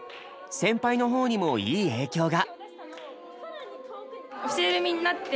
先輩の方にもいい影響が。